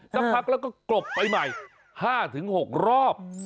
สักพักแล้วก็กลบไปใหม่๕๖รอบ